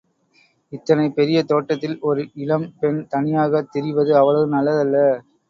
இத்தனை பெரிய தோட்டத்தில் ஓர் இளம் பெண் தனியாகத் திரிவது அவ்வளவு நல்லதல்ல.